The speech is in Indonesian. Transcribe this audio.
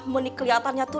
menik kelihatannya tuh